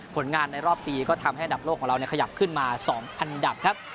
ผลงานในรอบปีก็ทำให้อันดับโลกของเราขยับขึ้นมา๒อันดับครับ